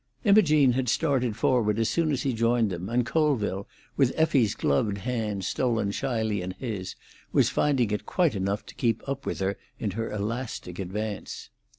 Imogene had started forward as soon as he joined them, and Colville, with Effie's gloved hand stolen shyly in his, was finding it quite enough to keep up with her in her elastic advance.